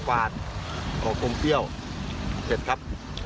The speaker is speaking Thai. ขอบกลมเปรี้ยวเสร็จครับ